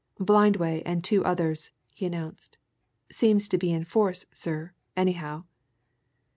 "Blindway and two others," he announced. "Seems to be in force, sir, anyhow!"